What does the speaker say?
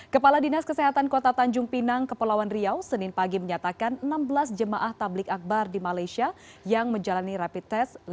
kepala dinas kesehatan kota tanjung pinang kepulauan riau senin pagi menyatakan enam belas jemaah tablik akbar di malaysia yang menjalani rapid test